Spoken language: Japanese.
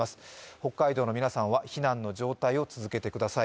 北海道の皆さんは避難の状態を続けてください。